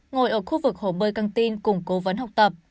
ngồi ở khu vực hồ bơi căng tin cùng cố vấn học tập